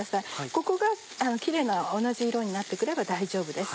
ここがキレイな同じ色になってくれば大丈夫です。